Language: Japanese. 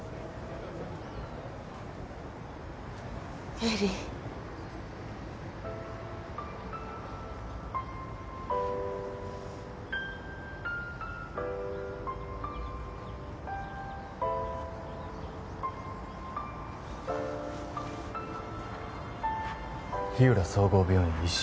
恵理日浦総合病院医師